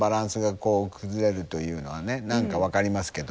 何か分かりますけど。